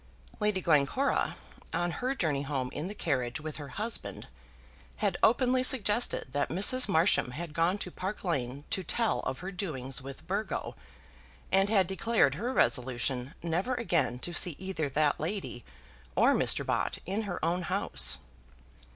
Lady Glencora, on her journey home in the carriage with her husband, had openly suggested that Mrs. Marsham had gone to Park Lane to tell of her doings with Burgo, and had declared her resolution never again to see either that lady or Mr. Bott in her own house.